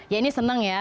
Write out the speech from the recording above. ya ini seneng ya